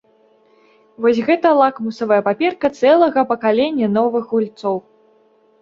Вось гэта лакмусавая паперка цэлага пакалення новых гульцоў.